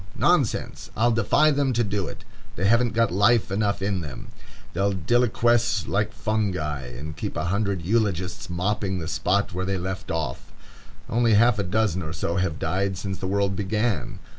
Nonsense! I'll defy them to do it. They haven't got life enough in them. They'll deliquesce like fungi, and keep a hundred eulogists mopping the spot where they left off. Only half a dozen or so have died since the world began.